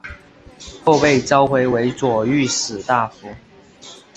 后被召回为左御史大夫。